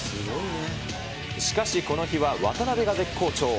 しかし、この日は渡邊が絶好調。